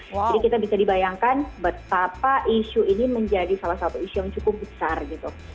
jadi kita bisa dibayangkan betapa isu ini menjadi salah satu isu yang cukup besar gitu